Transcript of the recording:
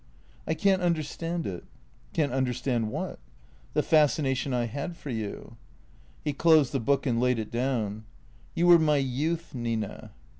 " I can't understand it." " Can't understand what ?"" The fascination I had for you." He closed the book and laid it down. " You were my youth, Nina."